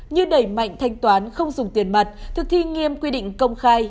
như đẩy mạnh thanh toán không dùng tiền mặt thực thi nghiêm quy định công khai